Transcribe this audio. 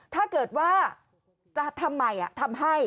ถ้าเกิดว่าจะทำใหม่ทำให้